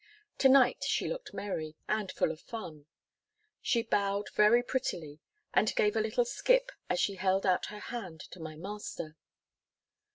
To night she looked merry, and full of fun. She bowed very prettily, and gave a little skip as she held out her hand to my master.